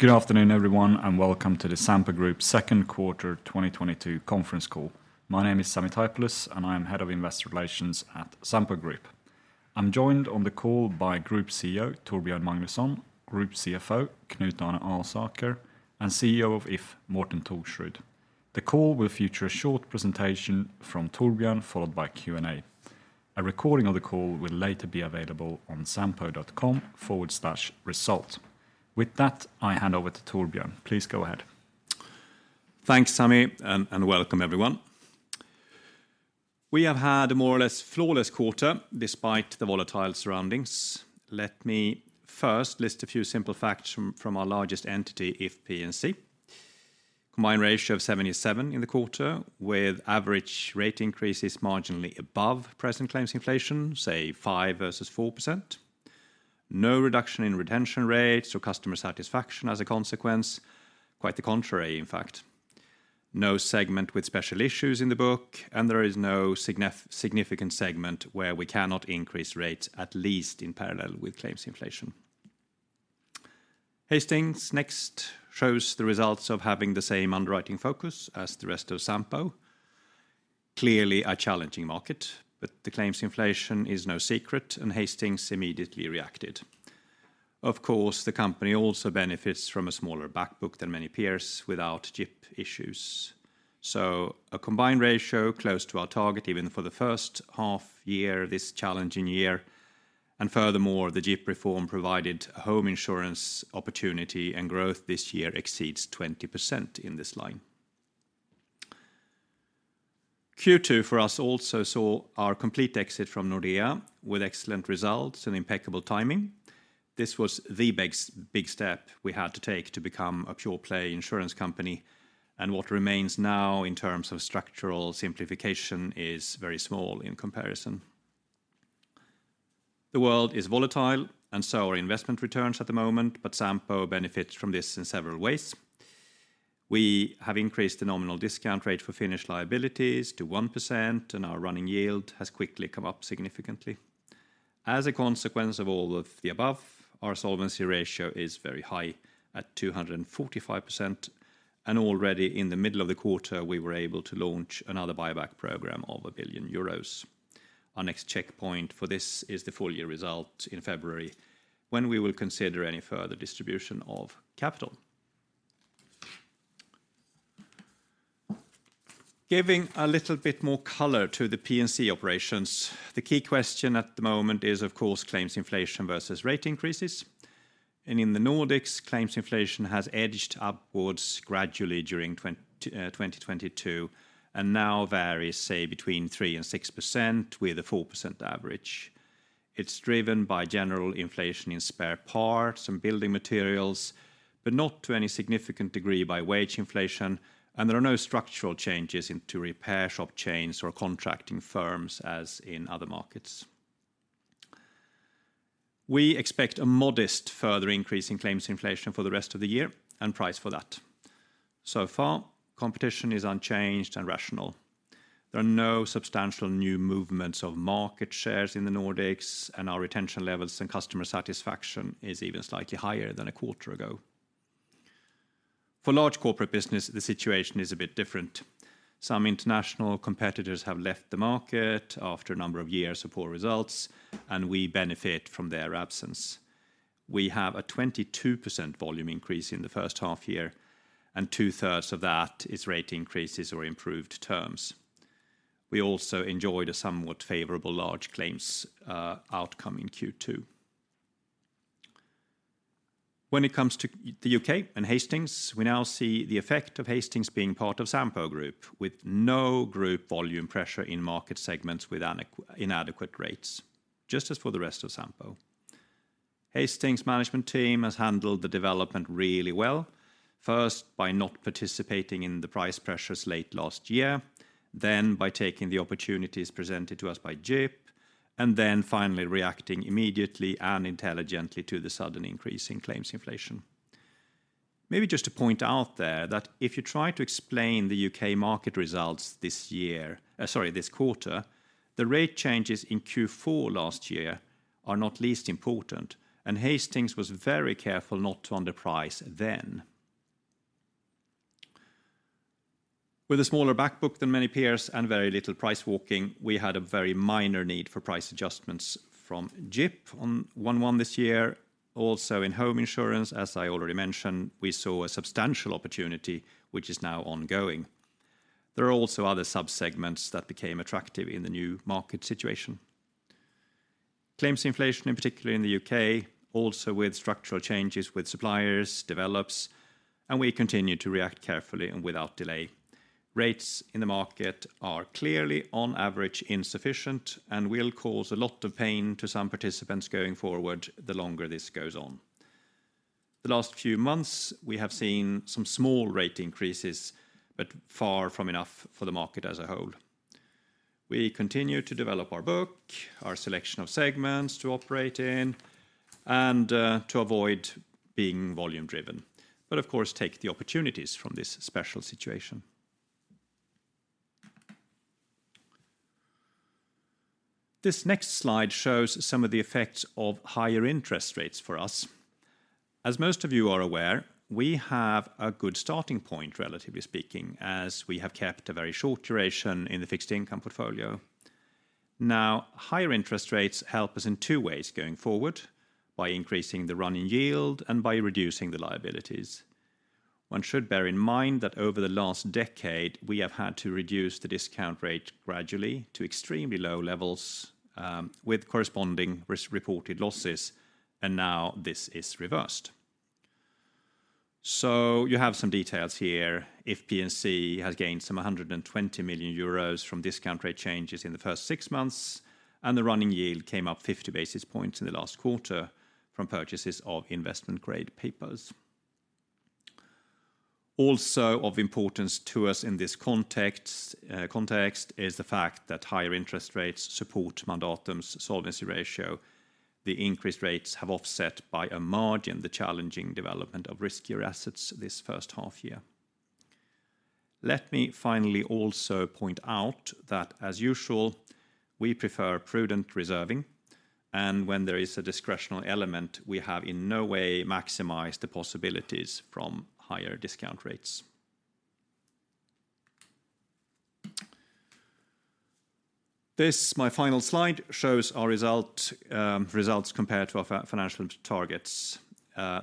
Good afternoon, everyone, and welcome to the Sampo Group second quarter 2022 conference call. My name is Sami Taipalus, and I am Head of Investor Relations at Sampo Group. I'm joined on the call by Group CEO Torbjörn Magnusson, Group CFO Knut Arne Alsaker, and CEO of If P&C Morten Thorsrud. The call will feature a short presentation from Torbjörn, followed by Q&A. A recording of the call will later be available on sampo.com/result. With that, I hand over to Torbjörn. Please go ahead. Thanks, Sami, and welcome everyone. We have had a more or less flawless quarter despite the volatile surroundings. Let me first list a few simple facts from our largest entity, If P&C. Combined ratio of 77 in the quarter, with average rate increases marginally above present claims inflation, say 5% versus 4%. No reduction in retention rates or customer satisfaction as a consequence. Quite the contrary, in fact. No segment with special issues in the book, and there is no significant segment where we cannot increase rates, at least in parallel with claims inflation. Hastings next shows the results of having the same underwriting focus as the rest of Sampo. Clearly a challenging market, but the claims inflation is no secret, and Hastings immediately reacted. Of course, the company also benefits from a smaller back book than many peers without GIPP issues. A combined ratio close to our target even for the first half year, this challenging year. Furthermore, the GIPP reform provided home insurance opportunity, and growth this year exceeds 20% in this line. Q2 for us also saw our complete exit from Nordea with excellent results and impeccable timing. This was the big step we had to take to become a pure play insurance company, and what remains now in terms of structural simplification is very small in comparison. The world is volatile, and so are investment returns at the moment, but Sampo benefits from this in several ways. We have increased the nominal discount rate for Finnish liabilities to 1%, and our running yield has quickly come up significantly. As a consequence of all of the above, our solvency ratio is very high at 245%, and already in the middle of the quarter, we were able to launch another buyback program of 1 billion euros. Our next checkpoint for this is the full year result in February when we will consider any further distribution of capital. Giving a little bit more color to the P&C operations, the key question at the moment is, of course, claims inflation versus rate increases. In the Nordics, claims inflation has edged upwards gradually during 2022 and now varies, say, between 3%-6% with a 4% average. It's driven by general inflation in spare parts and building materials, but not to any significant degree by wage inflation, and there are no structural changes into repair shop chains or contracting firms as in other markets. We expect a modest further increase in claims inflation for the rest of the year and price for that. So far, competition is unchanged and rational. There are no substantial new movements of market shares in the Nordics, and our retention levels and customer satisfaction is even slightly higher than a quarter ago. For large corporate business, the situation is a bit different. Some international competitors have left the market after a number of years of poor results, and we benefit from their absence. We have a 22% volume increase in the first half year, and two-thirds of that is rate increases or improved terms. We also enjoyed a somewhat favorable large claims outcome in Q2. When it comes to the U.K. and Hastings, we now see the effect of Hastings being part of Sampo Group with no group volume pressure in market segments with inadequate rates, just as for the rest of Sampo. Hastings management team has handled the development really well, first by not participating in the price pressures late last year, then by taking the opportunities presented to us by GIPP, and then finally reacting immediately and intelligently to the sudden increase in claims inflation. Maybe just to point out there that if you try to explain the U.K. market results this year, this quarter, the rate changes in Q4 last year are not least important, and Hastings was very careful not to underprice then. With a smaller back book than many peers and very little price walking, we had a very minor need for price adjustments from GIPP on 11 this year. In home insurance, as I already mentioned, we saw a substantial opportunity which is now ongoing. There are also other subsegments that became attractive in the new market situation. Claims inflation, in particular in the U.K., also with structural changes with suppliers, develops, and we continue to react carefully and without delay. Rates in the market are clearly on average insufficient and will cause a lot of pain to some participants going forward the longer this goes on. The last few months, we have seen some small rate increases, but far from enough for the market as a whole. We continue to develop our book, our selection of segments to operate in, and to avoid being volume driven, but of course, take the opportunities from this special situation. This next slide shows some of the effects of higher interest rates for us. As most of you are aware, we have a good starting point, relatively speaking, as we have kept a very short duration in the fixed income portfolio. Now, higher interest rates help us in two ways going forward by increasing the running yield and by reducing the liabilities. One should bear in mind that over the last decade, we have had to reduce the discount rate gradually to extremely low levels, with corresponding reported losses, and now this is reversed. You have some details here. If P&C has gained some 120 million euros from discount rate changes in the first six months, and the running yield came up 50 basis points in the last quarter from purchases of investment-grade papers. Also of importance to us in this context is the fact that higher interest rates support Mandatum's solvency ratio. The increased rates have offset by a margin the challenging development of riskier assets this first half year. Let me finally also point out that, as usual, we prefer prudent reserving, and when there is a discretionary element, we have in no way maximized the possibilities from higher discount rates. This, my final slide, shows our results compared to our financial targets.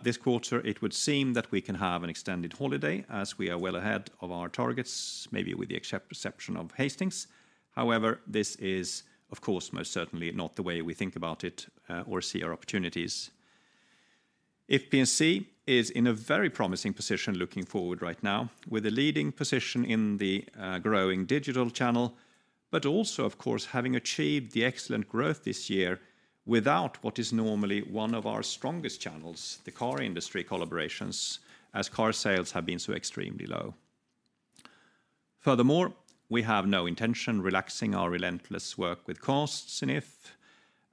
This quarter, it would seem that we can have an extended holiday as we are well ahead of our targets, maybe with the exception of Hastings. However, this is, of course, most certainly not the way we think about it, or see our opportunities. If P&C is in a very promising position looking forward right now with a leading position in the growing digital channel, but also, of course, having achieved the excellent growth this year without what is normally one of our strongest channels, the car industry collaborations, as car sales have been so extremely low. Furthermore, we have no intention of relaxing our relentless work with costs in If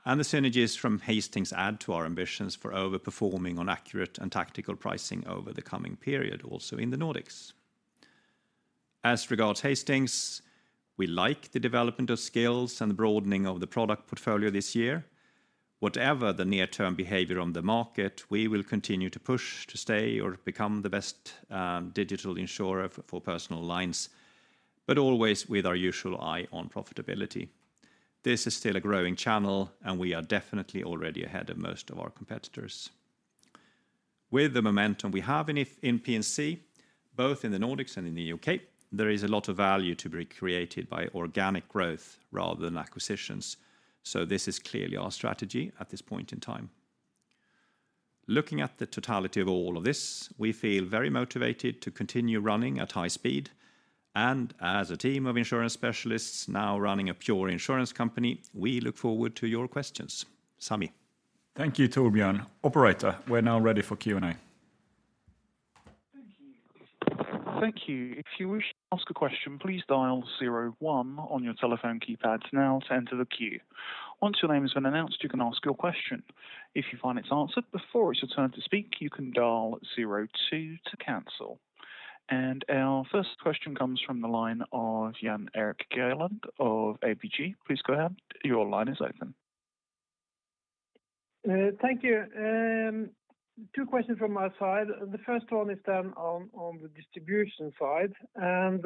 P&C, and the synergies from Hastings add to our ambitions for overperforming on accurate and tactical pricing over the coming period also in the Nordics. As regards Hastings, we like the development of skills and the broadening of the product portfolio this year. Whatever the near-term behavior on the market, we will continue to push to stay or become the best digital insurer for personal lines, but always with our usual eye on profitability. This is still a growing channel, and we are definitely already ahead of most of our competitors. With the momentum we have in If P&C, both in the Nordics and in the U.K., there is a lot of value to be created by organic growth rather than acquisitions. This is clearly our strategy at this point in time. Looking at the totality of all of this, we feel very motivated to continue running at high speed. As a team of insurance specialists now running a pure insurance company, we look forward to your questions. Sami. Thank you, Torbjörn. Operator, we're now ready for Q&A. Thank you. If you wish to ask a question, please dial zero one on your telephone keypads now to enter the queue. Once your name has been announced, you can ask your question. If you find it's answered before it's your turn to speak, you can dial zero two to cancel. Our first question comes from the line of Jan Erik Gjerland of ABG. Please go ahead. Your line is open. Thank you. Two questions from my side. The first one is on the distribution side, and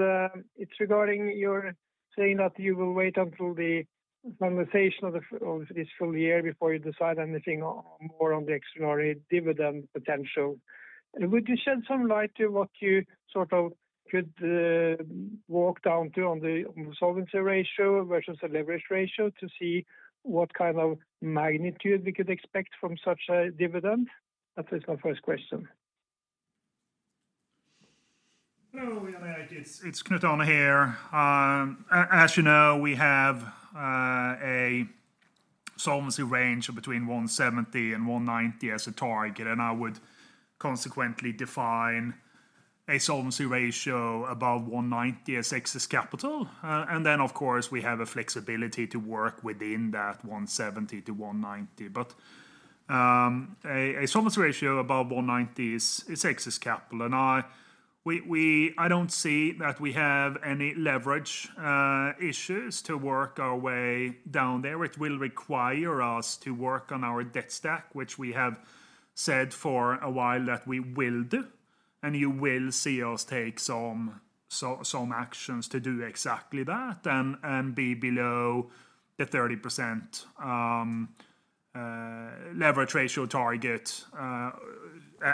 it's regarding your saying that you will wait until the finalization of this full year before you decide anything on the extraordinary dividend potential. Would you shed some light on what you sort of could walk down to on the solvency ratio versus the leverage ratio to see what kind of magnitude we could expect from such a dividend? That is my first question. Hello, Jan Erik, it's Knut Arne here. As you know, we have a solvency range between 170%-190% as a target, and I would consequently define a solvency ratio above 190% as excess capital. Then, of course, we have a flexibility to work within that 170%-190%. A solvency ratio above 190% is excess capital. I don't see that we have any leverage issues to work our way down there. It will require us to work on our debt stack, which we have said for a while that we will do, and you will see us take some actions to do exactly that and be below the 30% leverage ratio target,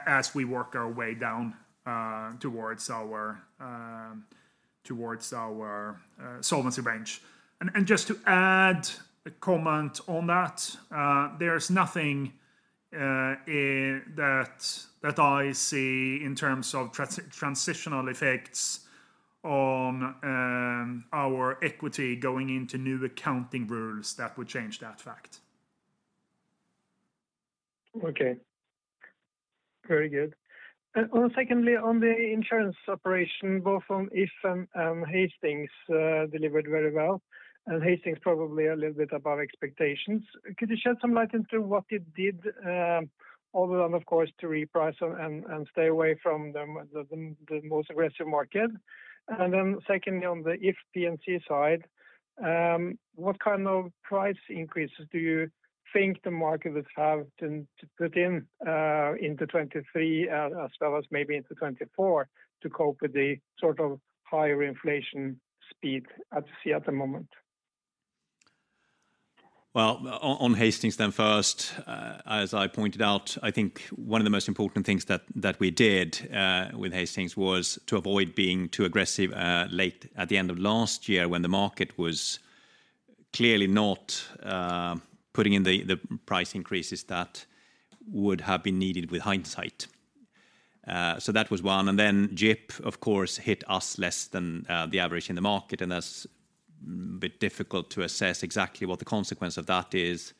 as we work our way down towards our solvency range. Just to add a comment on that, there's nothing that I see in terms of transitional effects on our equity going into new accounting rules that would change that fact. Okay. Very good. Secondly, on the insurance operation, both from If P&C and Hastings delivered very well, and Hastings probably a little bit above expectations. Could you shed some light into what it did other than of course to reprice and stay away from the most aggressive market? Secondly, on the If P&C side, what kind of price increases do you think the market will have to put in into 2023 as well as maybe into 2024 to cope with the sort of higher inflation speed as we see at the moment? Well, on Hastings then first, as I pointed out, I think one of the most important things that we did with Hastings was to avoid being too aggressive late at the end of last year when the market was clearly not putting in the price increases that would have been needed with hindsight. That was one. GIPP, of course, hit us less than the average in the market, and that's a bit difficult to assess exactly what the consequence of that is.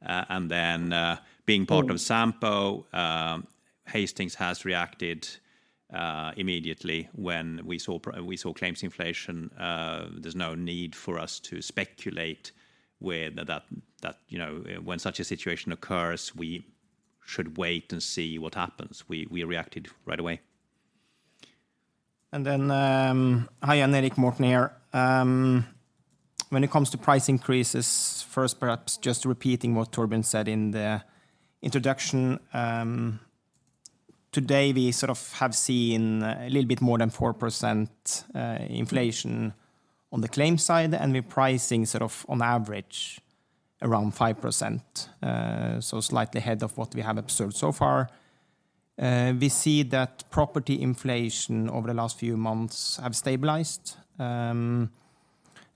Being part of Sampo, Hastings has reacted immediately when we saw claims inflation. There's no need for us to speculate whether, you know, when such a situation occurs, we should wait and see what happens. We reacted right away. Hi Jan, Morten here. When it comes to price increases, first perhaps just repeating what Torbjörn said in the introduction, today we sort of have seen a little bit more than 4% inflation on the claim side, and we're pricing sort of on average around 5%, so slightly ahead of what we have observed so far. We see that property inflation over the last few months have stabilized,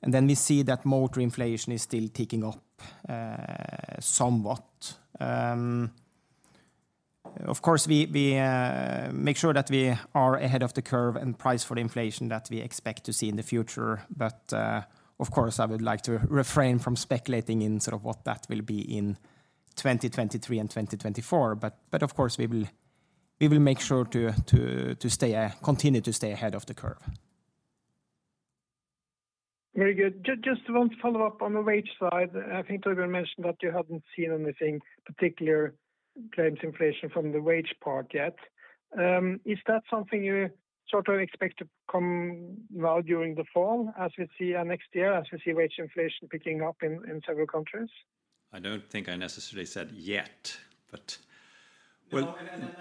and then we see that motor inflation is still ticking up somewhat. Of course, we make sure that we are ahead of the curve and price for the inflation that we expect to see in the future. Of course, I would like to refrain from speculating in sort of what that will be in 2023 and 2024. Of course, we will make sure to continue to stay ahead of the curve. Very good. Just one follow-up on the wage side. I think Torbjörn mentioned that you haven't seen any particular claims inflation from the wage part yet. Is that something you sort of expect to come now during the fall as we see next year, as we see wage inflation picking up in several countries? I don't think I necessarily said yet. No, I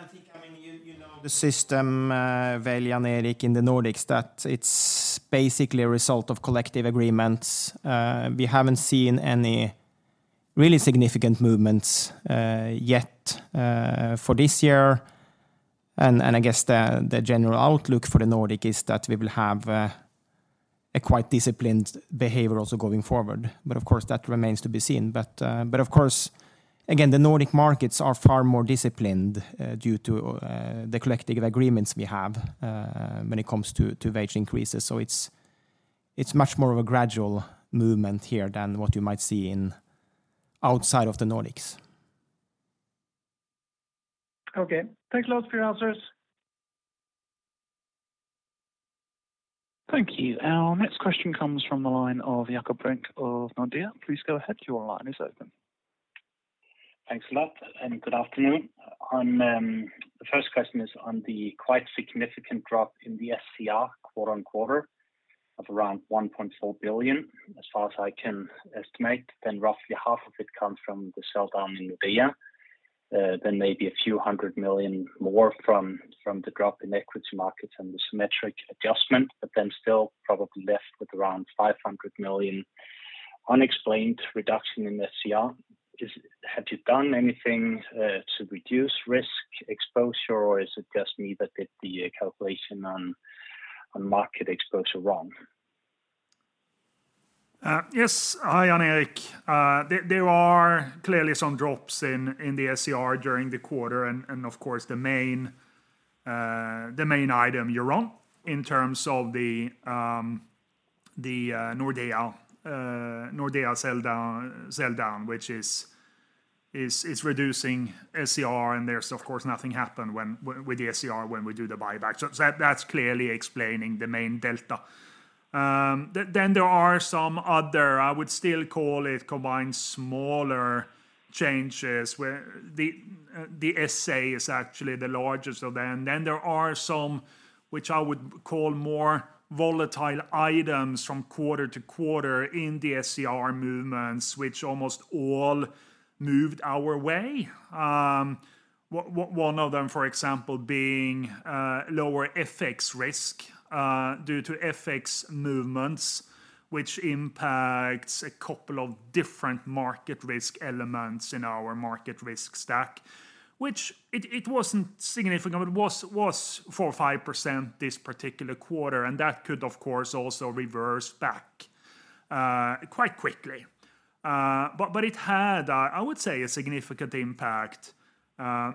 think, I mean, you know the system, well, Jan Erik, in the Nordics, that it's basically a result of collective agreements. We haven't seen any really significant movements yet for this year. I guess the general outlook for the Nordics is that we will have a quite disciplined behavior also going forward. Of course, that remains to be seen. Of course, again, the Nordic markets are far more disciplined due to the collective agreements we have when it comes to wage increases. It's much more of a gradual movement here than what you might see outside of the Nordics. Okay. Thanks a lot for your answers. Thank you. Our next question comes from the line of Jakob Brink of Nordea. Please go ahead, your line is open. Thanks a lot, and good afternoon. The first question is on the quite significant drop in the SCR quarter-over-quarter of around 1.4 billion, as far as I can estimate. Roughly half of it comes from the sell down in Nordea. Maybe a few 100 million more from the drop in equity markets and the symmetric adjustment, but then still probably left with around 500 million unexplained reduction in SCR. Have you done anything to reduce risk exposure, or is it just me that did the calculation on market exposure wrong? Yes. Hi, Jakob. There are clearly some drops in the SCR during the quarter and of course the main item you're on in terms of the Nordea sell down which is reducing SCR, and there's of course nothing happened when we do the buyback. That clearly explains the main delta. There are some other, I would still call it combined smaller changes where the SA is actually the largest of them. There are some which I would call more volatile items from quarter to quarter in the SCR movements, which almost all moved our way. One of them, for example, being lower FX risk due to FX movements, which impacts a couple of different market risk elements in our market risk stack, which wasn't significant, but it was 4% or 5% this particular quarter, and that could of course also reverse back quite quickly. It had, I would say, a significant impact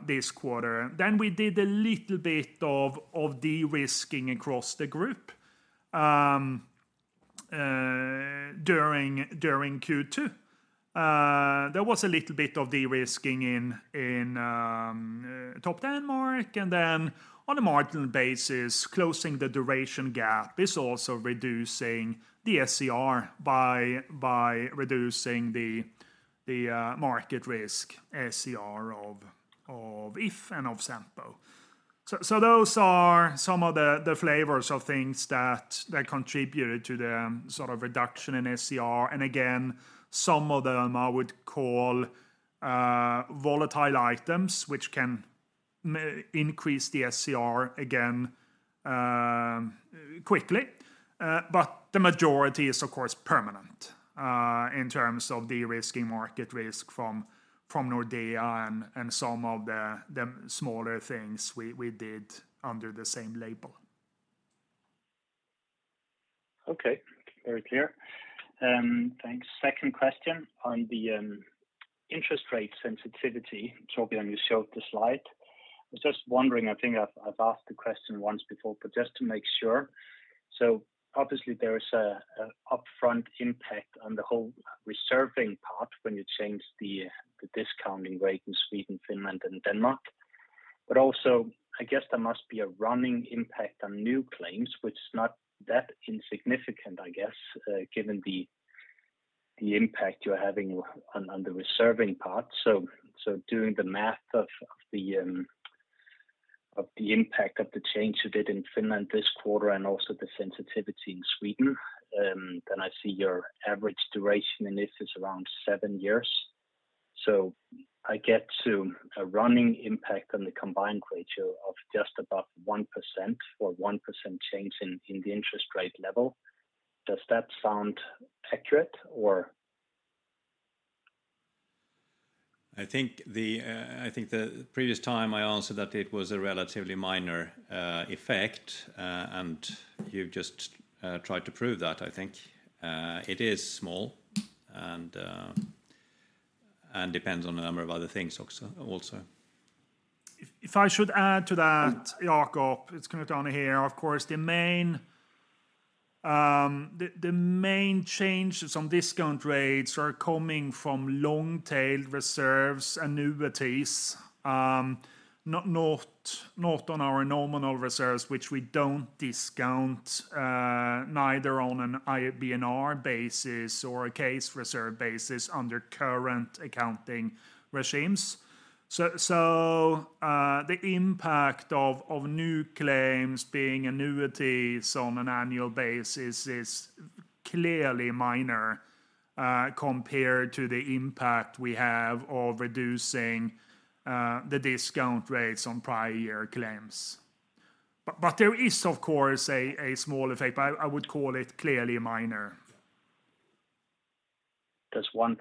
this quarter. We did a little bit of de-risking across the group. During Q2, there was a little bit of de-risking in Topdanmark. On a marginal basis, closing the duration gap is also reducing the SCR by reducing the market risk SCR of If and of Sampo. Those are some of the flavors of things that contributed to the sort of reduction in SCR. Some of them I would call volatile items, which can increase the SCR again quickly. The majority is of course permanent in terms of de-risking market risk from Nordea and some of the smaller things we did under the same label. Okay. Very clear. Thanks. Second question on the interest rate sensitivity. Torbjörn, you showed the slide. I was just wondering, I think I've asked the question once before, but just to make sure. Obviously there is an upfront impact on the whole reserving part when you change the discounting rate in Sweden, Finland and Denmark. But also, I guess there must be a running impact on new claims, which is not that insignificant, I guess, given the impact you're having on the reserving part. Doing the math of the impact of the change you did in Finland this quarter and also the sensitivity in Sweden, then I see your average duration in this is around seven years. I get to a running impact on the combined ratio of just above 1% for 1% change in the interest rate level. Does that sound accurate or? I think the previous time I answered that it was a relatively minor effect. You've just tried to prove that, I think. It is small and depends on a number of other things also. If I should add to that, Jakob, it's Knut Arne here. Of course, the main changes on discount rates are coming from long-tailed reserves annuities, not on our nominal reserves, which we don't discount, neither on an IBNR basis or a case reserve basis under current accounting regimes. The impact of new claims being annuities on an annual basis is clearly minor, compared to the impact we have of reducing the discount rates on prior year claims. There is of course a small effect, but I would call it clearly minor. Does 1%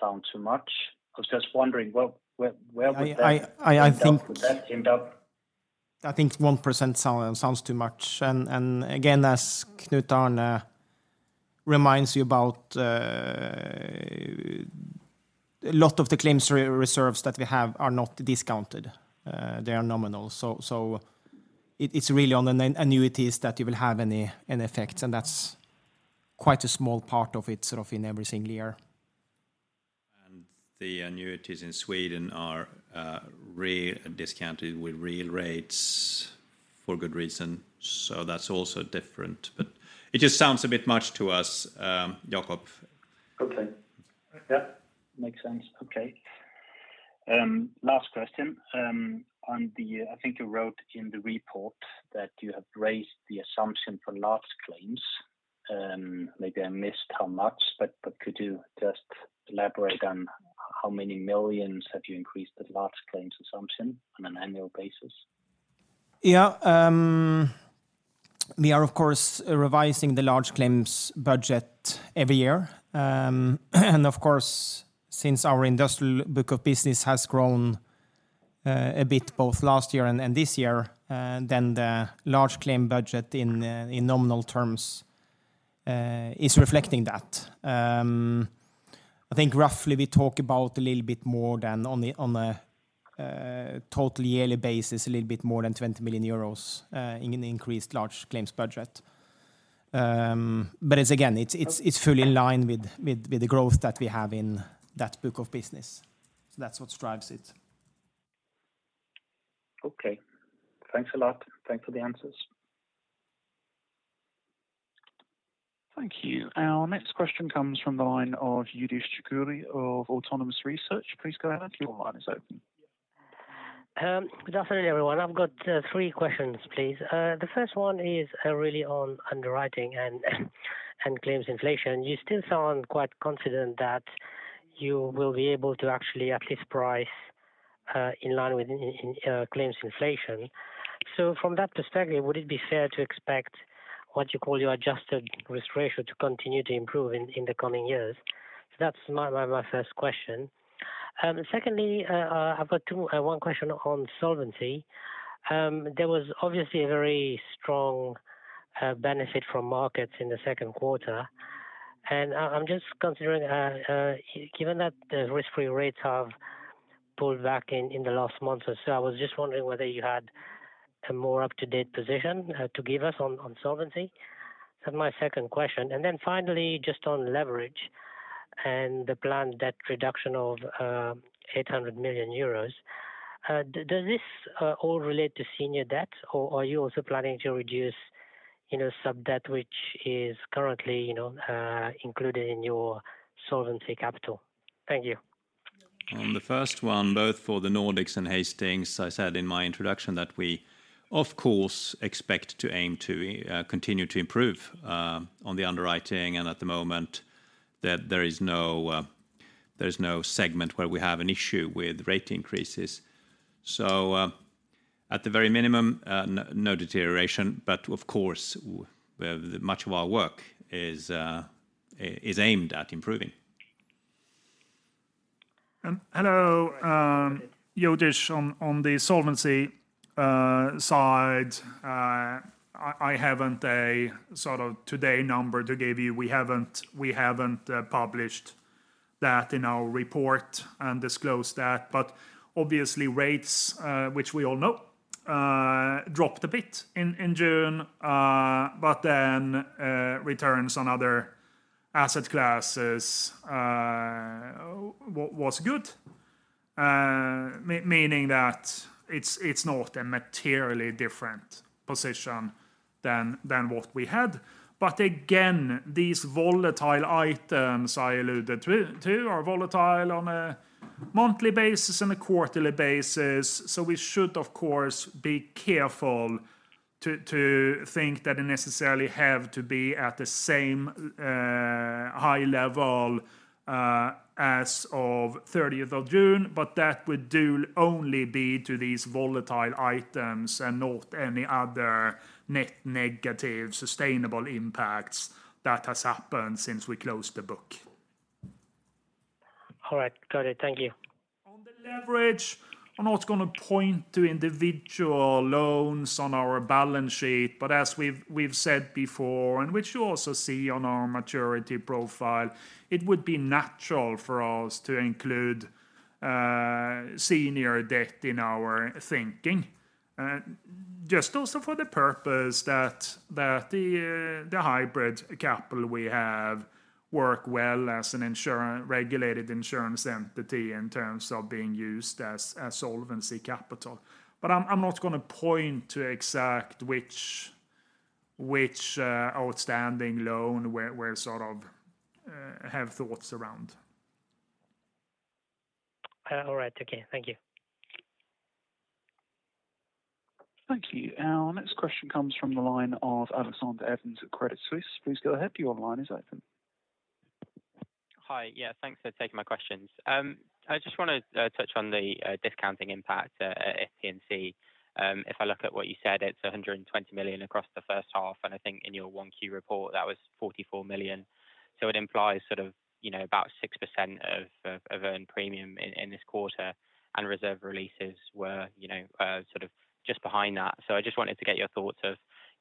sound too much? I was just wondering where would that end up? I think. Would that end up? I think 1% sounds too much. Again, as Knut Arne reminds you about, a lot of the claims reserves that we have are not discounted, they are nominal. It's really on the annuities that you will have any effect, and that's quite a small part of it, sort of in every single year. The annuities in Sweden are re-discounted with real rates for good reason. That's also different. It just sounds a bit much to us, Jakob. Okay. Yeah. Makes sense. Okay. Last question. On the, I think you wrote in the report that you have raised the assumption for large claims. Maybe I missed how much, but could you just elaborate on how many millions have you increased the large claims assumption on an annual basis? Yeah. We are of course revising the large claims budget every year. Of course, since our industrial book of business has grown a bit both last year and this year, then the large claim budget in nominal terms is reflecting that. I think roughly we talk about a little bit more than on a total yearly basis a little bit more than 20 million euros in increased large claims budget. It's again it's fully in line with the growth that we have in that book of business. That's what drives it. Okay. Thanks a lot. Thanks for the answers. Thank you. Our next question comes from the line of Youdish Chicooree of Autonomous Research. Please go ahead. Your line is open. Good afternoon, everyone. I've got three questions, please. The first one is really on underwriting and claims inflation. You still sound quite confident that you will be able to actually at least price in line with claims inflation. So from that perspective, would it be fair to expect what you call your adjusted risk ratio to continue to improve in the coming years? That's my first question. Secondly, I've got two, one question on solvency. There was obviously a very strong benefit from markets in the second quarter. I'm just considering, given that the risk-free rates have pulled back in the last months or so, I was just wondering whether you had a more up-to-date position to give us on solvency. My second question, and then finally just on leverage and the planned debt reduction of 800 million euros, does this all relate to senior debt? Or are you also planning to reduce, you know, sub-debt which is currently, you know, included in your solvency capital? Thank you. On the first one, both for the Nordics and Hastings, I said in my introduction that we of course expect to aim to continue to improve on the underwriting and at the moment that there is no segment where we have an issue with rate increases. At the very minimum, no deterioration, but of course, much of our work is aimed at improving. Hello, Youdish. On the solvency side, I haven't a sort of up-to-date number to give you. We haven't published that in our report and disclosed that. Obviously rates, which we all know, dropped a bit in June, but then returns on other asset classes was good. Meaning that it's not a materially different position than what we had. Again, these volatile items I alluded to are volatile on a monthly basis and a quarterly basis, so we should of course be careful to think that they necessarily have to be at the same high level as of 30th of June. That would only be due to these volatile items and not any other net negative sustainable impacts that has happened since we closed the book. All right. Got it. Thank you. On the leverage, I'm not gonna point to individual loans on our balance sheet, but as we've said before, and which you also see on our maturity profile, it would be natural for us to include senior debt in our thinking. Just also for the purpose that the hybrid capital we have works well as a regulated insurance entity in terms of being used as a solvency capital. I'm not gonna point to exactly which outstanding loan we sort of have thoughts around. All right. Okay. Thank you. Thank you. Our next question comes from the line of Alexander Evans at Credit Suisse. Please go ahead. Your line is open. Hi. Yeah, thanks for taking my questions. I just wanna touch on the discounting impact at Sampo. If I look at what you said, it's 120 million across the first half, and I think in your 1Q report, that was 44 million. It implies sort of, you know, about 6% of earned premium in this quarter, and reserve releases were, you know, sort of just behind that. I just wanted to get your thoughts of,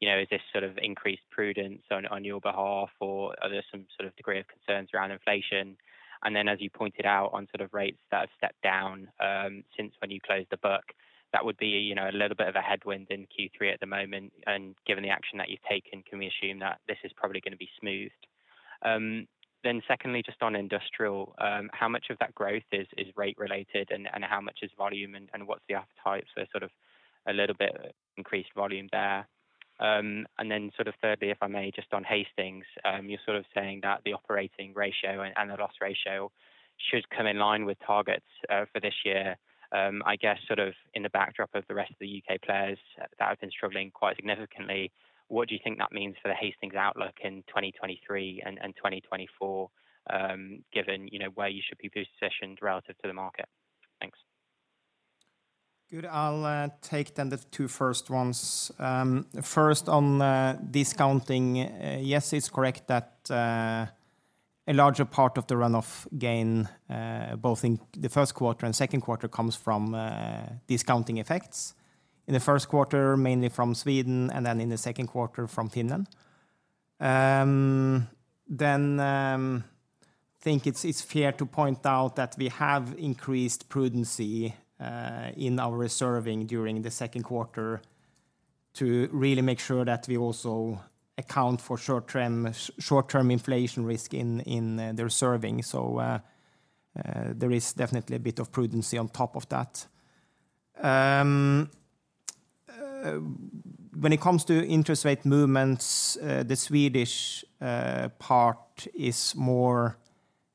you know, is this sort of increased prudence on your behalf, or are there some sort of degree of concerns around inflation? As you pointed out on sort of rates that have stepped down, since when you closed the book, that would be, you know, a little bit of a headwind in Q3 at the moment. Given the action that you've taken, can we assume that this is probably gonna be smoothed? Secondly, just on industrial, how much of that growth is rate related and how much is volume and what's the appetite for sort of a little bit increased volume there? Sort of thirdly, if I may, just on Hastings, you're sort of saying that the operating ratio and the loss ratio should come in line with targets, for this year. I guess sort of in the backdrop of the rest of the U.K. players that have been struggling quite significantly, what do you think that means for the Hastings outlook in 2023 and 2024, given, you know, where you should be positioned relative to the market? Thanks. Good. I'll take then the two first ones. First on discounting, yes, it's correct that a larger part of the run-off gain both in the first quarter and second quarter comes from discounting effects. In the first quarter, mainly from Sweden, and then in the second quarter from Finland. Think it's fair to point out that we have increased prudence in our reserving during the second quarter to really make sure that we also account for short-term inflation risk in the reserving. There is definitely a bit of prudence on top of that. When it comes to interest rate movements, the Swedish part is more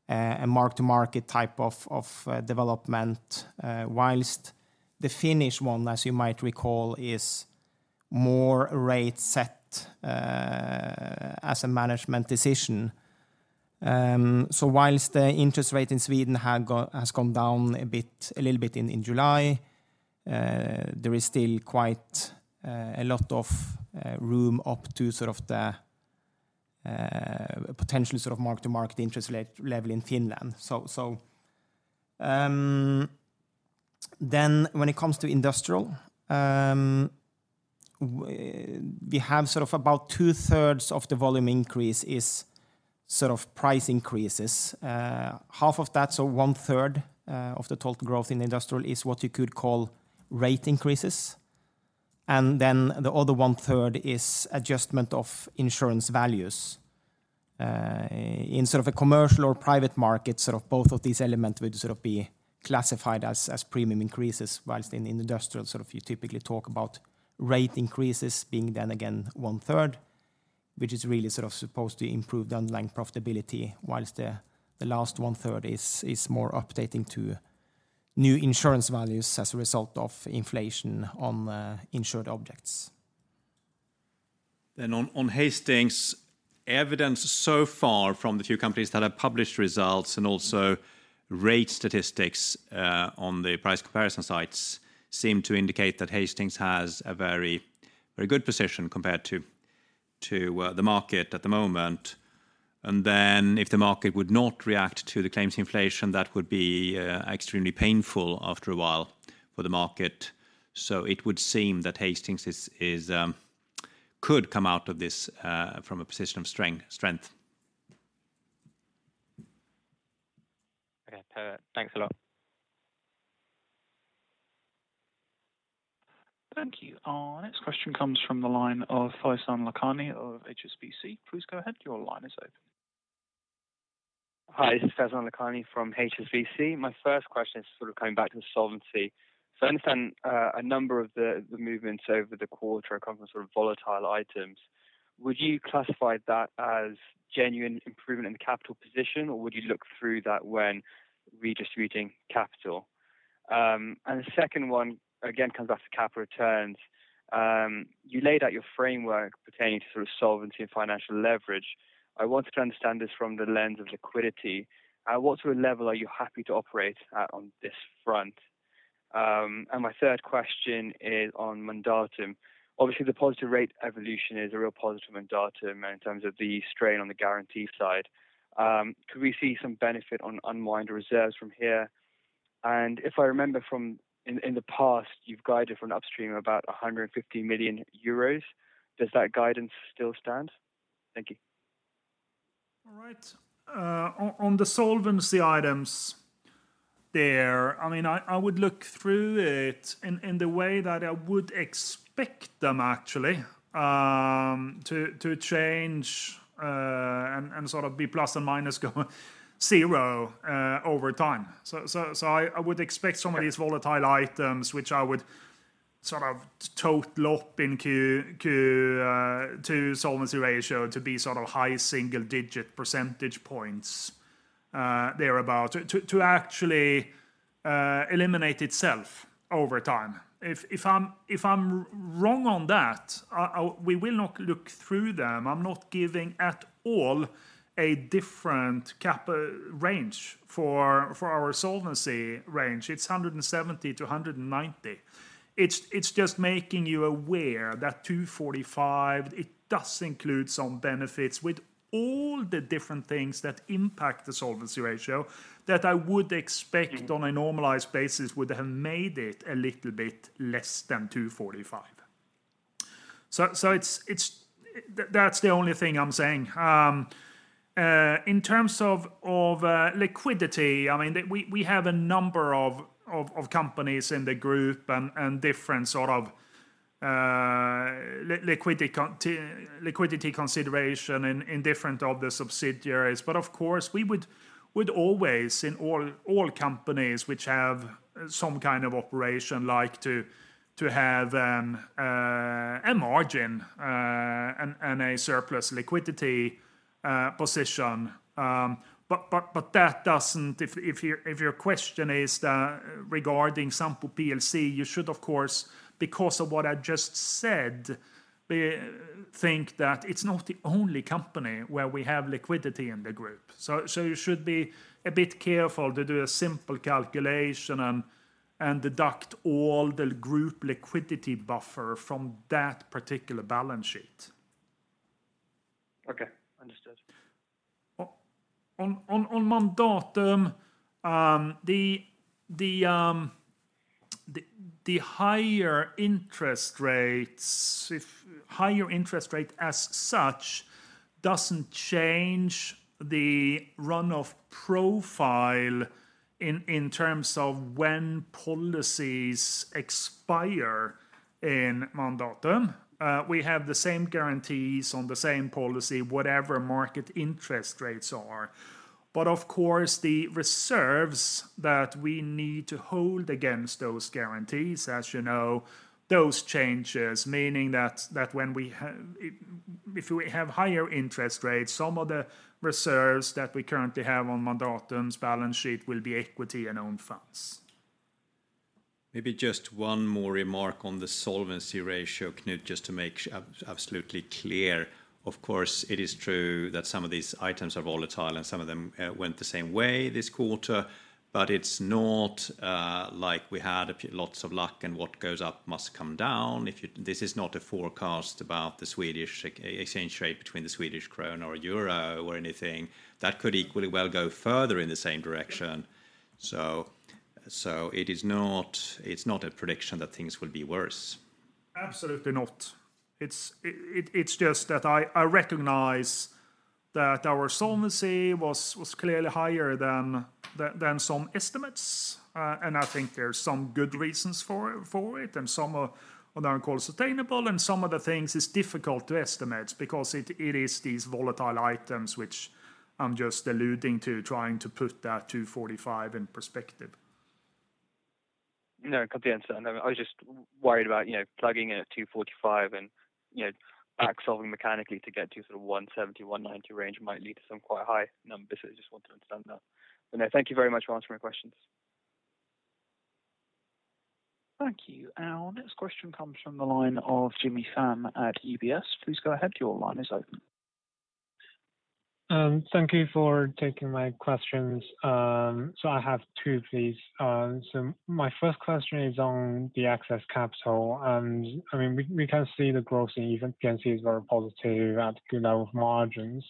a mark-to-market type of development, while the Finnish one, as you might recall, is more rate set as a management decision. While the interest rate in Sweden has come down a bit, a little bit in July, there is still quite a lot of room up to sort of the potential sort of mark-to-market interest level in Finland. When it comes to industrial, we have sort of about 2/3 of the volume increase is sort of price increases. Half of that, so 1/3, of the total growth in industrial is what you could call rate increases. The other 1/3 is adjustment of insurance values. In sort of a commercial or private market, sort of both of these elements would sort of be classified as premium increases, while in industrial sort of you typically talk about rate increases being then again 1/3, which is really sort of supposed to improve the underlying profitability while the last 1/3 is more updating to new insurance values as a result of inflation on insured objects. On Hastings, evidence so far from the few companies that have published results and also rate statistics on the price comparison sites seem to indicate that Hastings has a very, very good position compared to the market at the moment. If the market would not react to the claims inflation, that would be extremely painful after a while for the market. It would seem that Hastings could come out of this from a position of strength. Okay. Perfect. Thanks a lot. Thank you. Our next question comes from the line of Faizan Lakhani of HSBC. Please go ahead, your line is open. Hi, this is Faizan Lakhani from HSBC. My first question is sort of coming back to the solvency. I understand a number of the movements over the quarter come from sort of volatile items. Would you classify that as genuine improvement in capital position, or would you look through that when redistributing capital? The second one again comes back to capital returns. You laid out your framework pertaining to sort of solvency and financial leverage. I wanted to understand this from the lens of liquidity. At what sort of level are you happy to operate at on this front? My third question is on Mandatum. Obviously, the positive rate evolution is a real positive for Mandatum in terms of the strain on the guarantee side. Could we see some benefit on unwind reserves from here? If I remember in the past, you've guided from upstream about 150 million euros. Does that guidance still stand? Thank you. All right. On the solvency items there, I mean, I would look through it in the way that I would expect them actually to change and sort of be plus and minus go zero over time. I would expect some of these volatile items, which I would sort of total up in Q2 solvency ratio to be sort of high single digit percentage points thereabout to actually eliminate itself over time. If I'm wrong on that, we will not look through them. I'm not giving at all a different cap range for our solvency range. It's 170%-190%. It's just making you aware that 245%, it does include some benefits with all the different things that impact the solvency ratio that I would expect on a normalized basis would have made it a little bit less than 245%. That's the only thing I'm saying. In terms of liquidity, I mean, we have a number of companies in the group and different sort of liquidity consideration in different subsidiaries. Of course, we would always in all companies which have some kind of operation like to have a margin and a surplus liquidity position. If your question is regarding Sampo plc, you should, of course, because of what I just said, think that it's not the only company where we have liquidity in the group. You should be a bit careful to do a simple calculation and deduct all the group liquidity buffer from that particular balance sheet. Okay. Understood. On Mandatum, the higher interest rate as such doesn't change the run-off profile in terms of when policies expire in Mandatum. We have the same guarantees on the same policy, whatever market interest rates are. Of course, the reserves that we need to hold against those guarantees, as you know, those change, meaning that when we have higher interest rates, some of the reserves that we currently have on Mandatum's balance sheet will be equity and own funds. Maybe just one more remark on the solvency ratio, Knut, just to make absolutely clear. Of course, it is true that some of these items are volatile and some of them went the same way this quarter, but it's not like we had lots of luck and what goes up must come down. This is not a forecast about the Swedish exchange rate between the Swedish krona or euro or anything. That could equally well go further in the same direction. It is not a prediction that things will be worse. Absolutely not. It's just that I recognize that our solvency was clearly higher than some estimates. I think there's some good reasons for it and some are non-call sustainable, and some other things is difficult to estimate because it is these volatile items which I'm just alluding to trying to put that 245% in perspective. No, completely understand. I was just worried about, you know, plugging in at 245% and, you know, back-solving mechanically to get to sort of 170%-190% range might lead to some quite high numbers. I just want to understand that. No, thank you very much for answering my questions. Thank you. Our next question comes from the line of Jimmy Fan at UBS. Please go ahead. Your line is open. Thank you for taking my questions. I have two please. My first question is on the excess capital, and I mean, we can see the growth in even If P&C is very positive at good level of margins.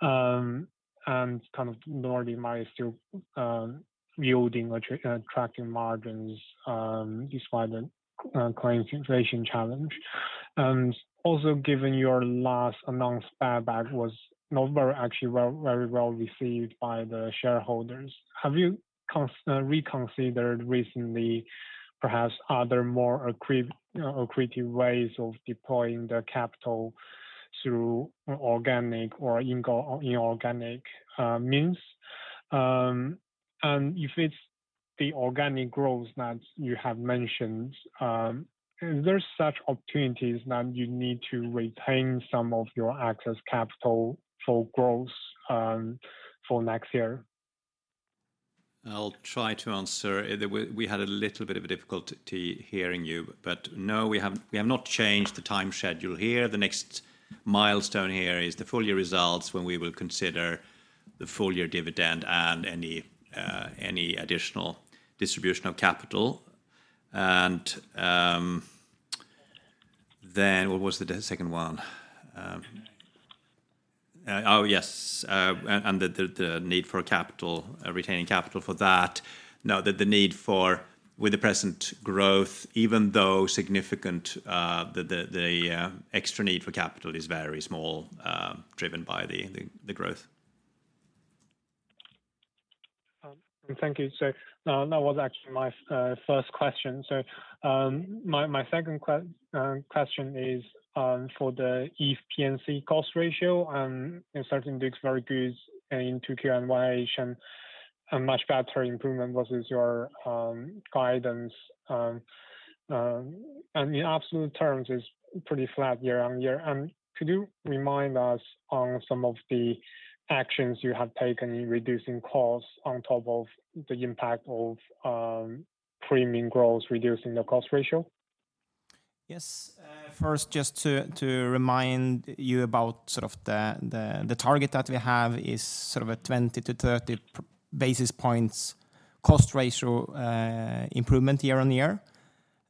Kind of Nordea might still yielding or attracting margins, despite the claims inflation challenge. Also given your last announced buyback was not very well received by the shareholders, have you reconsidered recently perhaps other more you know, accretive ways of deploying the capital through organic or inorganic means? If it's the organic growth that you have mentioned, are there such opportunities that you need to retain some of your excess capital for growth for next year? I'll try to answer. We had a little bit of a difficulty hearing you. No, we have not changed the time schedule here. The next milestone here is the full year results when we will consider the full year dividend and any additional distribution of capital. Then what was the second one? The need for capital, retaining capital for that. No, the need for, with the present growth, even though significant, the extra need for capital is very small, driven by the growth. Thank you. No, that was actually my first question. My second question is for the If P&C cost ratio, and it certainly looks very good in 2Q and much better improvement versus your guidance. The absolute terms is pretty flat year-over-year. Could you remind us on some of the actions you have taken in reducing costs on top of the impact of premium growth reducing the cost ratio? Yes. First, just to remind you about sort of the target that we have is sort of a 20-30 basis points cost ratio improvement year-over-year.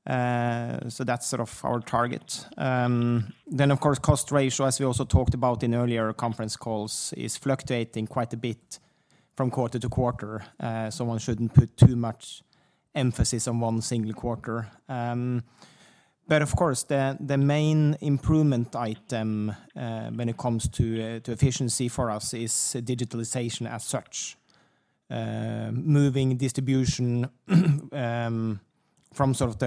That's sort of our target. Of course, cost ratio, as we also talked about in earlier conference calls, is fluctuating quite a bit from quarter to quarter. One shouldn't put too much emphasis on one single quarter. Of course, the main improvement item when it comes to efficiency for us is digitalization as such. Moving distribution from sort of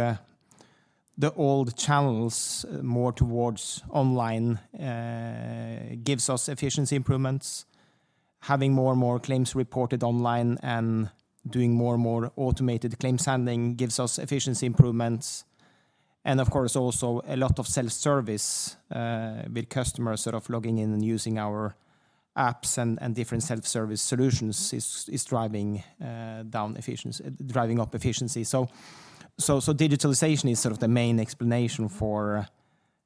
the old channels more towards online gives us efficiency improvements. Having more and more claims reported online and doing more and more automated claims handling gives us efficiency improvements. Of course also a lot of self-service with customers sort of logging in and using our apps and different self-service solutions is driving up efficiency. Digitalization is sort of the main explanation for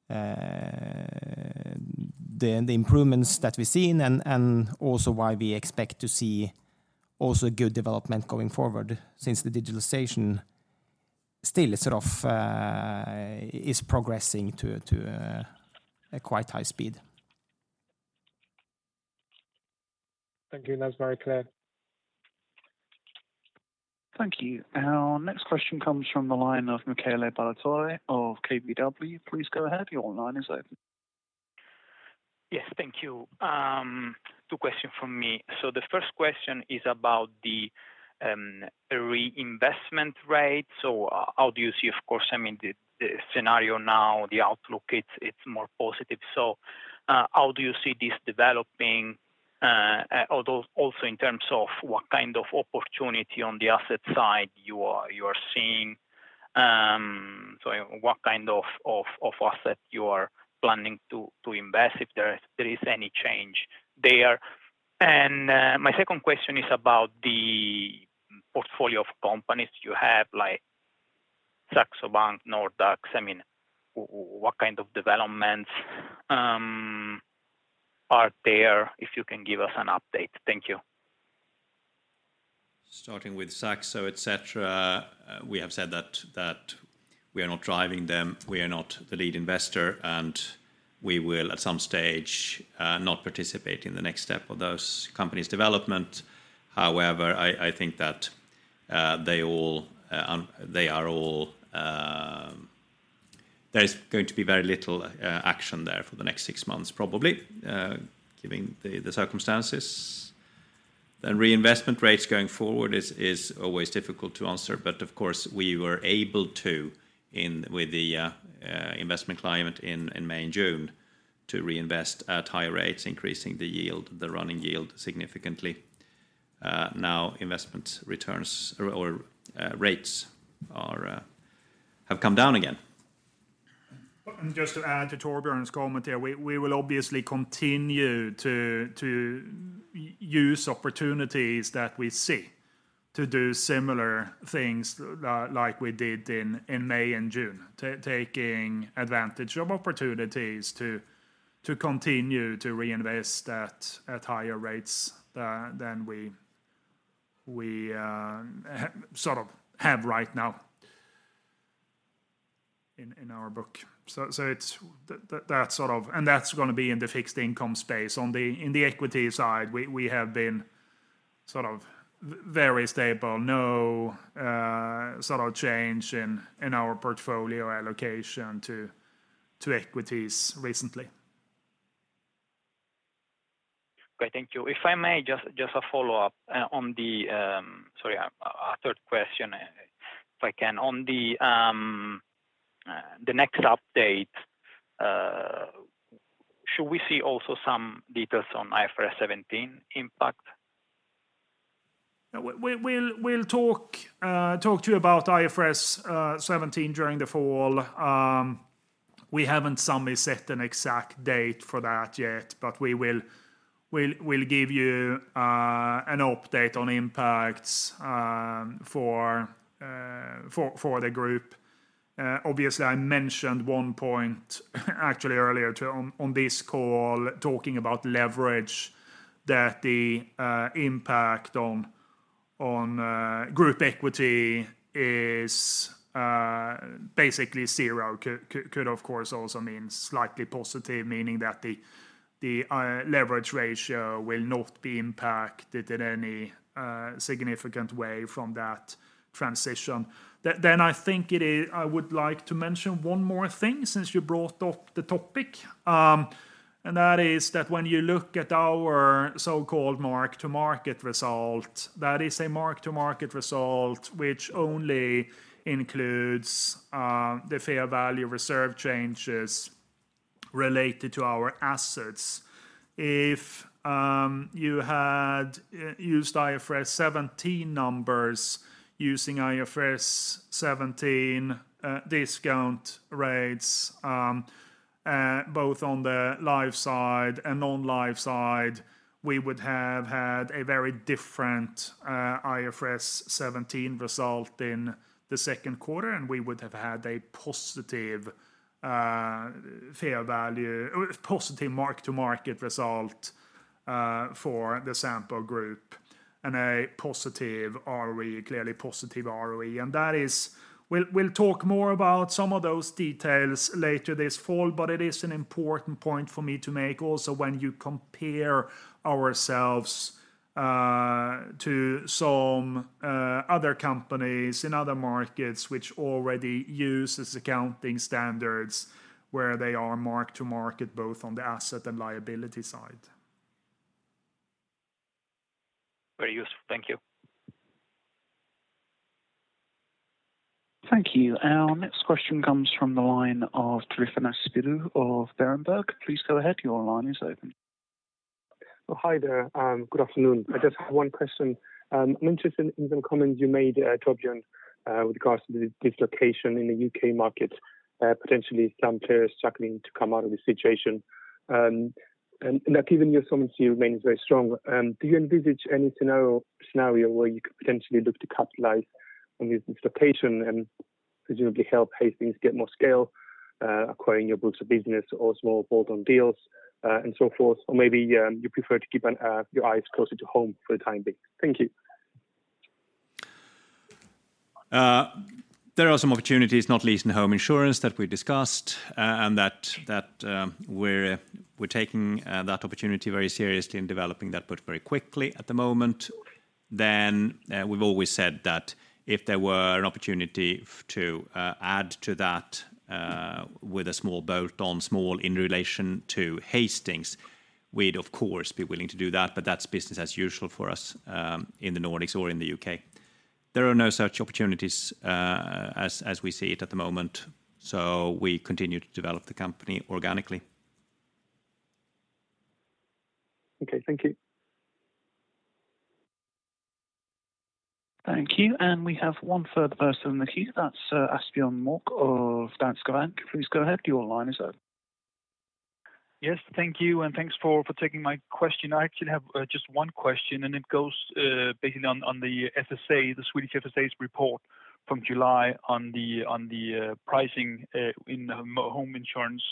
the improvements that we've seen and also why we expect to see also good development going forward since the digitalization still sort of is progressing to a quite high speed. Thank you. That was very clear. Thank you. Our next question comes from the line of Michele Ballatore of KBW. Please go ahead. Your line is open. Yes. Thank you. Two questions from me. The first question is about the reinvestment rate. How do you see, of course, I mean, the scenario now, the outlook, it's more positive. How do you see this developing, although also in terms of what kind of opportunity on the asset side you are seeing, so what kind of asset you are planning to invest if there is any change there? And my second question is about the portfolio of companies you have like Saxo Bank, Nordax. I mean, what kind of developments are there, if you can give us an update. Thank you. Starting with Saxo, et cetera, we have said that we are not driving them, we are not the lead investor, and we will at some stage not participate in the next step of those companies' development. However, I think that there is going to be very little action there for the next six months probably, given the circumstances. Reinvestment rates going forward is always difficult to answer, but of course we were able to, in the investment climate in May and June, to reinvest at higher rates, increasing the running yield significantly. Now investment returns or rates have come down again. Just to add to Torbjörn's comment there, we will obviously continue to use opportunities that we see to do similar things like we did in May and June, taking advantage of opportunities to continue to reinvest at higher rates than we sort of have right now in our book. It's that sort of. That's gonna be in the fixed income space. In the equity side, we have been sort of very stable. No sort of change in our portfolio allocation to equities recently. Great. Thank you. If I may just a follow-up on the. Sorry, a third question if I can. On the next update, should we see also some details on IFRS 17 impact? We'll talk to you about IFRS 17 during the fall. We haven't set an exact date for that yet, but we will. We'll give you an update on impacts for the group. Obviously I mentioned one point actually earlier on this call talking about leverage that the impact on group equity is basically zero. Could of course also mean slightly positive, meaning that the leverage ratio will not be impacted in any significant way from that transition. I think I would like to mention one more thing since you brought up the topic. That is when you look at our so-called mark-to-market result, that is a mark-to-market result which only includes the fair value reserve changes related to our assets. If you had used IFRS 17 numbers using IFRS 17 discount rates both on the life side and non-life side, we would have had a very different IFRS 17 result in the second quarter, and we would have had a positive fair value or positive mark-to-market result for the Sampo Group and a positive ROE, clearly positive ROE. That is, we'll talk more about some of those details later this fall, but it is an important point for me to make also when you compare ourselves to some other companies in other markets which already uses accounting standards where they are mark to market both on the asset and liability side. Very useful. Thank you. Thank you. Our next question comes from the line of Tryfonas Spyrou of Berenberg. Please go ahead. Your line is open. Oh, hi there. Good afternoon. I just have one question. I'm interested in the comments you made, Torbjörn, with regards to the dislocation in the U.K. market, potentially some players struggling to come out of the situation. Given your solvency here remains very strong, do you envisage any scenario where you could potentially look to capitalize on this dislocation and presumably help Hastings get more scale, acquiring other books of business or small bolt-on deals, and so forth? Or maybe you prefer to keep your eyes closer to home for the time being. Thank you. There are some opportunities, not least in home insurance that we discussed, and that we're taking that opportunity very seriously in developing that but very quickly at the moment. We've always said that if there were an opportunity to add to that with a small bolt-on small in relation to Hastings, we'd of course be willing to do that, but that's business as usual for us in the Nordics or in the U.K. There are no such opportunities as we see it at the moment, so we continue to develop the company organically. Okay. Thank you. Thank you. We have one further person in the queue. That's Asbjørn Mørk of Danske Bank. Please go ahead. Your line is open. Yes. Thank you. Thanks for taking my question. I actually have just one question, and it goes based on the FSA, the Swedish FSA's report from July on the pricing in home insurance,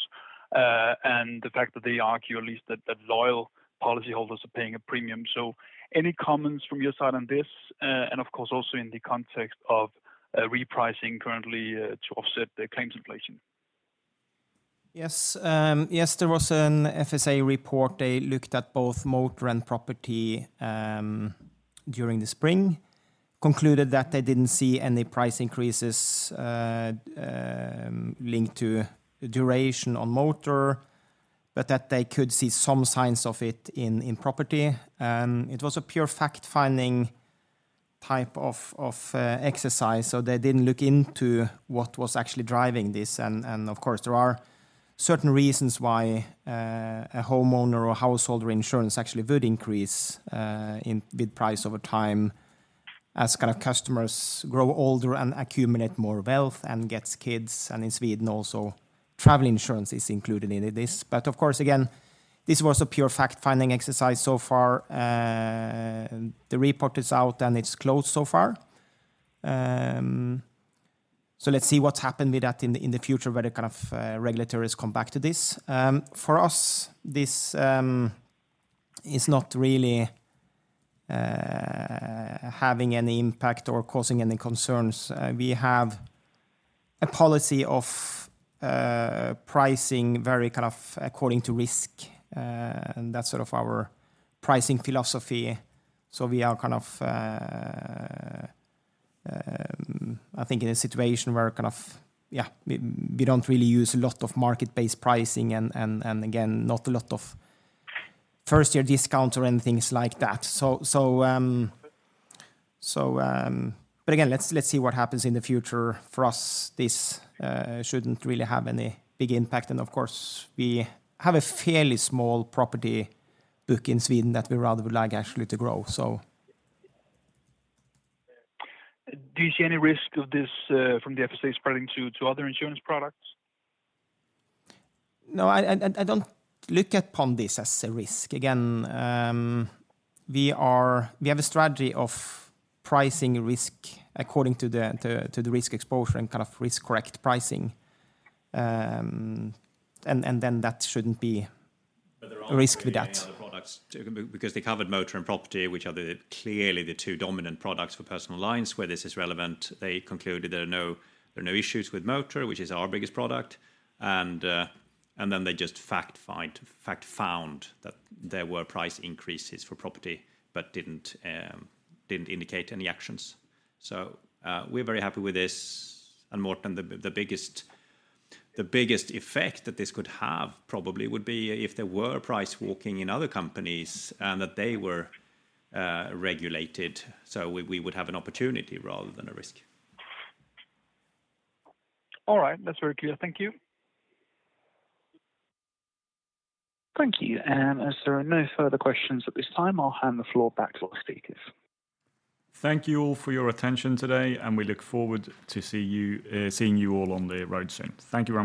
and the fact that they argue at least that loyal policyholders are paying a premium. Any comments from your side on this, and of course, also in the context of repricing currently to offset the claims inflation? Yes, there was an FSA report. They looked at both motor and property during the spring, concluded that they didn't see any price increases linked to duration on motor, but that they could see some signs of it in property. It was a pure fact-finding type of exercise, so they didn't look into what was actually driving this. Of course, there are certain reasons why a homeowner or householder insurance actually would increase with price over time as kind of customers grow older and accumulate more wealth and gets kids, and in Sweden also travel insurance is included into this. Of course, again, this was a pure fact-finding exercise so far. The report is out, and it's closed so far. Let's see what's happened with that in the future, whether kind of regulators come back to this. For us, this is not really having any impact or causing any concerns. We have a policy of pricing very kind of according to risk, and that's sort of our pricing philosophy. We are kind of, I think, in a situation where kind of we don't really use a lot of market-based pricing and again, not a lot of first-year discount or anything like that. Again, let's see what happens in the future. For us, this shouldn't really have any big impact. Of course, we have a fairly small property book in Sweden that we rather would like actually to grow. Do you see any risk of this, from the FSA spreading to other insurance products? No, I don't look upon this as a risk. Again, we have a strategy of pricing risk according to the risk exposure and kind of risk-correct pricing. Then that shouldn't be a risk with that. There aren't really any other products, because they covered motor and property, which are clearly the two dominant products for personal lines where this is relevant. They concluded there are no issues with motor, which is our biggest product, and then they just fact found that there were price increases for property, but didn't indicate any actions. We're very happy with this. Morten, the biggest effect that this could have probably would be if there were price walking in other companies and that they were regulated, so we would have an opportunity rather than a risk. All right. That's very clear. Thank you. Thank you. As there are no further questions at this time, I'll hand the floor back to our speakers. Thank you all for your attention today, and we look forward to seeing you all on the road soon. Thank you very much.